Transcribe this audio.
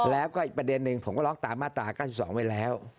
แล้วก็อีกประเด็นหนึ่งผมก็ล็อกตามมาตรา๙๒ไว้แล้ว